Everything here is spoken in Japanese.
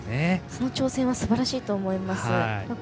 その挑戦はすばらしいと思います。